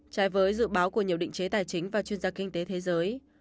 trái với dự báo của nhiều định chế tài chính và chuyên gia kinh tế thế giới